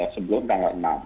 sebelum tanggal enam